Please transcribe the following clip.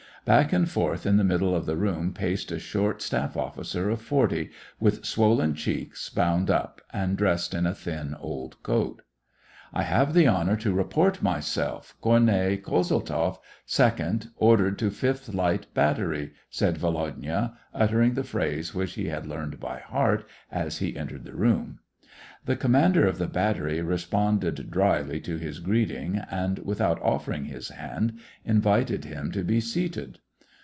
Back and forth in the middle of the room paced a short staff officer of forty, with swollen cheeks bound up, and dressed in a thin old coat. SEVASTOPOL IN AUGUST. 183 "I have the honor to report myself, Cornet Kozeltzoff, 2d, ordered to the fifth light battery," said Volodya, uttering the phrase which he had learned by heart, as he entered the room. The commander of the battery responded dryly to his greeting, and, without offering his hand, invited him to be seated.